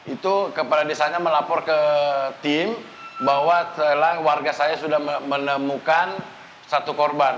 itu kepala desanya melapor ke tim bahwa setelah warga saya sudah menemukan satu korban